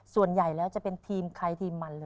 ส่วนใหญ่แล้วจะเป็นทีมใครทีมมันเลย